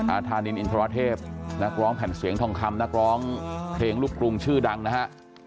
อาธานินอินทรเทพนักร้องแผ่นเสียงทองคำนักร้องเพลงลูกกรุงชื่อดังนะฮะ